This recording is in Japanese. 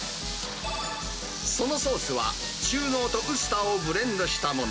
そのソースは、中濃とウスターをブレンドしたもの。